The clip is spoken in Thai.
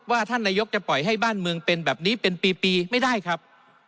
ท่านนายกจะปล่อยให้บ้านเมืองเป็นแบบนี้เป็นปีไม่ได้ครับ